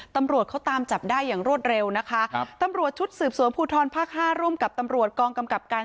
ตำรวจเขาตามจับได้อย่างรวดเร็วนะคะครับตำรวจชุดสืบสวนภูทรภาคห้าร่วมกับตำรวจกองกำกับการ